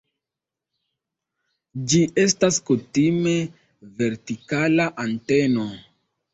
Ĝi estas kutime vertikala anteno.